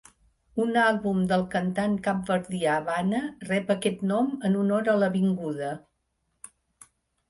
Un àlbum del cantant capverdià Bana rep aquest nom en honor a l'avinguda.